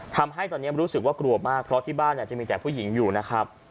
ทำให้ตอนนี้รู้สึกว่ากลัวมากเพราะที่บ้านจะมีแต่ผู้หญิงอยู่นะครับ